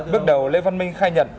bước đầu lê văn minh khai nhận